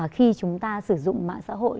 khi chúng ta sử dụng mạng xã hội